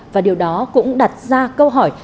và điều đó cũng đặt ra câu hỏi